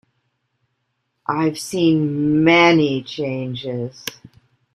I’ve seen many changes.